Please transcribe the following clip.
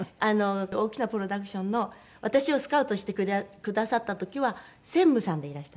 大きなプロダクションの私をスカウトしてくださった時は専務さんでいらした。